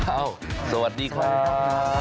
โอ้สวัสดีครับ